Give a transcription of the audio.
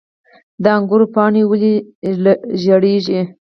د انګورو پاڼې ولې ژیړیږي؟